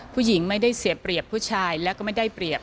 ผู้หญิงไม่ได้เสียเปรียบผู้ชายแล้วก็ไม่ได้เปรียบ